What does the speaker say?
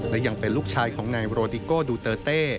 และยังเป็นลูกชายของนายโรติโก้ดูเตอร์เต้